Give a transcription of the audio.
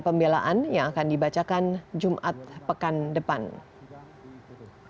pembelaan yang akan dibacakan jumat pekan depan melihat tuntutan daripada jaksa penuntut umum tadi itu maka